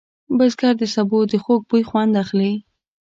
بزګر د سبو د خوږ بوی خوند اخلي